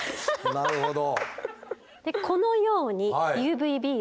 なるほど。